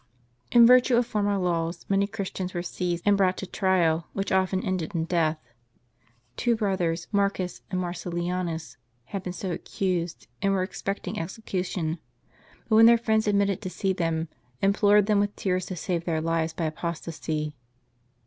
In virtue of for mer laws, many Christians were seized and brought to trial, which often ended in death. Two brothers, Marcus and Mar cellianus, had been so accused, and were expecting execution ; when their friends, admitted to see them, implored them with tears to save their lives by apostasy.